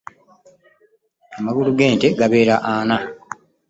Amagulu g'ente gabeera ana.